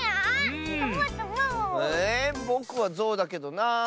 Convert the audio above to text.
えぼくはゾウだけどなあ。